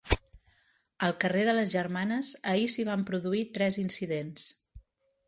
Al carrer de les Germanes, ahir s'hi van produir tres incidents.